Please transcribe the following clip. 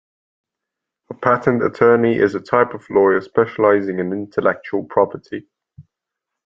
A patent attorney is a type of lawyer specialising in intellectual property